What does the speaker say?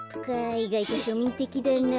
いがいとしょみんてきだな。